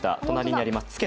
隣にあります。